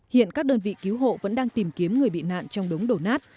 hiện các đơn vị cứu hộ vẫn đang tìm kiếm người bị nạn trong đống đổ nát